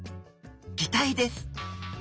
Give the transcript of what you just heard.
擬態です。